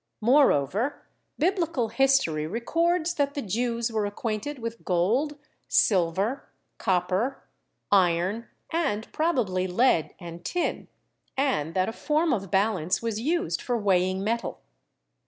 Moreover, Biblical history records that the Jews were acquainted with gold, silver, copper, iron, and probably lead and tin, and that a form of balance was used for weighing metal.